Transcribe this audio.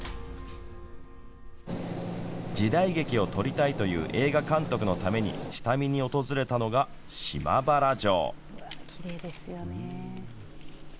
時代劇を撮りたいという映画監督のために下見に訪れたのが島原城。